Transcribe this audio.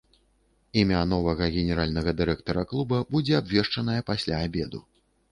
Імя новага генеральнага дырэктара клуба будзе абвешчанае пасля абеду.